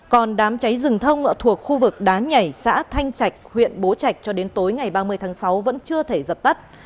còn đám cháy rừng thông thuộc khu vực đá nhảy xã thanh trạch huyện bố trạch cho đến tối ngày ba mươi tháng sáu vẫn chưa thể dập tắt